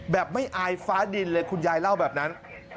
แบบไม่อายฟ้าดินเลยคุณยายเล่าแบบนั้น